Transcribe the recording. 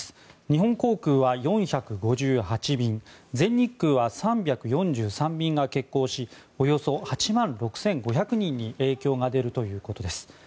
日本航空は４５８便全日空は３４３便が欠航しおよそ８万６５００人に影響が出るということです。